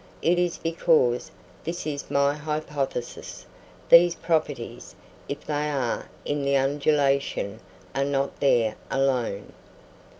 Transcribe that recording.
It is because this is my hypothesis these properties, if they are in the undulation, are not there alone.